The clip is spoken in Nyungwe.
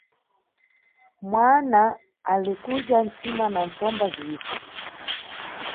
Mwana ali kudya ntsima na ntsomba ziwisi.